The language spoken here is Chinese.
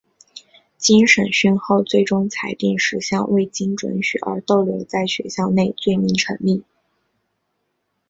经审讯后最终裁定十项未经准许而逗留在学校内罪名成立。